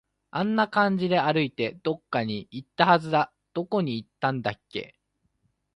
あんな感じで歩いて、どこかに行ったはずだ。どこに行ったんだっけ